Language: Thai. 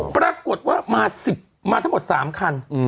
ปรากฏว่ามาสิบมาทั้งหมดสามคัน